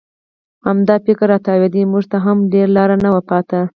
همدا فکر را تاوېده، موږ ته هم ډېره لاره نه وه پاتې.